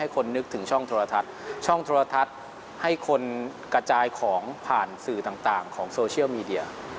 กระจายของผ่านสื่อต่างของโซเชียลมีเดีย